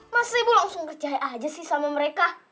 masa ibu langsung kerjain aja sih sama mereka